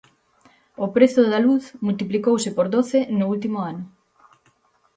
O prezo da luz multiplicouse por doce no último ano.